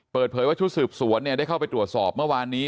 เปิดเผยว่าชุดสืบสวนได้เข้าไปตรวจสอบเมื่อวานนี้